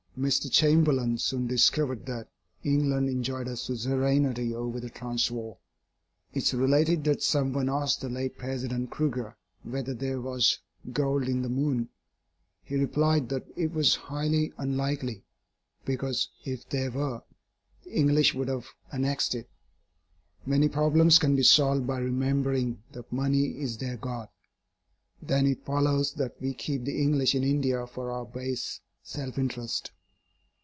Mr. Chamberlain soon discovered that England enjoyed a suzerainty over the Transvaal. It is related that some one asked the late President Kruger whether there was gold in the moon. He replied that it was highly unlikely, because, if there were, the English would have annexed it. Many problems can be solved by remembering that money is their God. Then it follows that we keep the English in India for our base self interest.